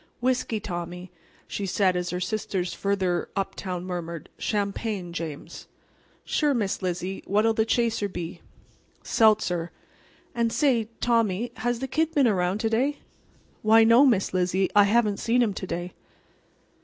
"Whiskey, Tommy," she said as her sisters further uptown murmur, "Champagne, James." "Sure, Miss Lizzie. What'll the chaser be?" "Seltzer. And say, Tommy, has the Kid been around to day?" "Why, no, Miss Lizzie, I haven't saw him to day."